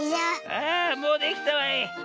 あもうできたわい。